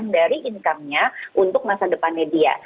dari income nya untuk masa depannya dia